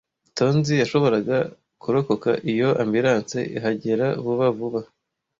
Tonzi yashoboraga kurokoka iyo ambulance ihagera vuba vuba.